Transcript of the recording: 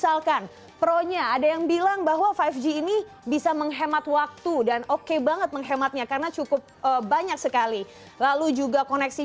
apa yang terjadi